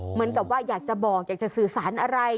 เหมือนกับว่าอยากจะบอกอยากจะสื่อสารอะไร